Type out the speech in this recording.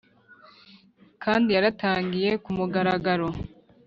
kandi yaratangiye ku mugaragaro